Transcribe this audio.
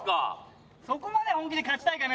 そこまで本気で勝ちたいかな？